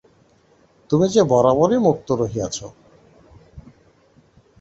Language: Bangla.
তুমি যে বরাবরই মুক্ত রহিয়াছ।